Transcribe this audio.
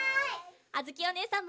あづきおねえさんも！